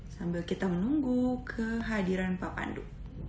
sambil kita menunggu kehadiran pak pandu